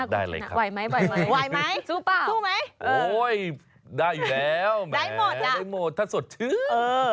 ได้เลยครับไหวไหมสู้เปล่าโอ้ยได้แล้วแม่ได้หมดละถ้าสดทึ้ง